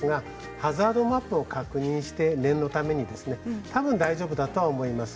ハザードマップを確認して念のためにたぶん大丈夫だとは思います。